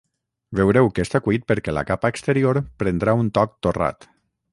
Veureu que està cuit perquè la capa exterior prendrà un toc torrat